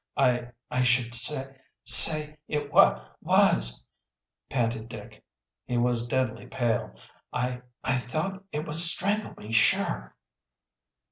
"I I should sa say it wa was," panted Dick. He was deadly pale. "I I thought it would strangle me sure!"